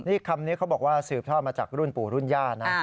นี่คำนี้เขาบอกว่าสืบทอดมาจากรุ่นปู่รุ่นย่านะ